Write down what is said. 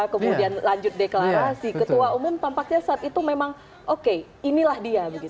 kemudian lanjut deklarasi ketua umum tampaknya saat itu memang oke inilah dia